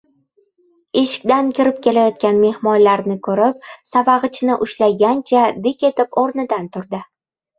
Eshikdan kirib kelayotgan mehmonlarni ko‘rib, savag’ichni ushlagancha dik etib o‘rnidan turdi.